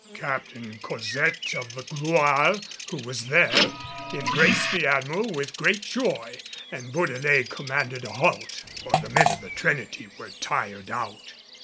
Captain Cosette of the Gloire, who was there, embraced the Admiral with great joy, and Bourdelais commanded a halt, for the men of the Trinity were tired out.